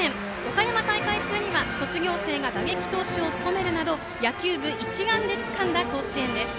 岡山大会中には卒業生が打撃投手を務めるなど野球部一丸でつかんだ甲子園です。